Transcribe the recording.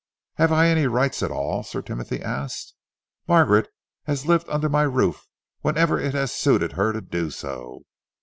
"Have I any rights at all?" Sir Timothy asked. "Margaret has lived under my roof whenever it has suited her to do so.